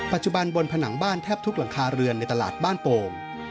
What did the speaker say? บนผนังบ้านแทบทุกหลังคาเรือนในตลาดบ้านโป่ง